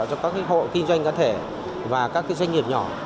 cho các hộ kinh doanh cá thể và các doanh nghiệp nhỏ